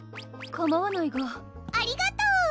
かまわないがありがとう！